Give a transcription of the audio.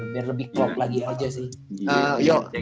biar lebih klop lagi aja sih